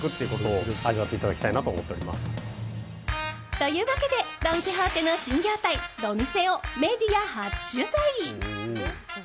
というわけでドン・キホーテの新業態ドミセをメディア初取材。